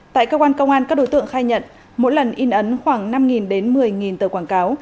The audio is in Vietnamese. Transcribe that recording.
tại cơ quan công an các đối tượng khai nhận mỗi lần in ấn khoảng năm đến một mươi tờ quảng cáo